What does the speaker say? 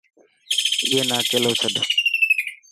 ائي نا اڪيلو ڇڏ.